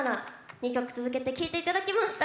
２曲続けて聴いていただきました。